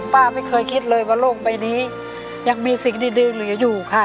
ป้าไม่เคยคิดเลยว่าโลกใบนี้ยังมีสิ่งดีเหลืออยู่ค่ะ